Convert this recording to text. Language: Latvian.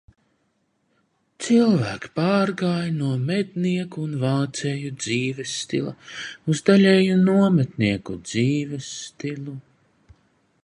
Cilvēki pārgāja no mednieku un vācēju dzīvesstila uz daļēju nometnieku dzīvestilu.